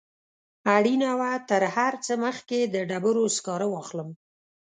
اړینه وه تر هر څه مخکې د ډبرو سکاره واخلم.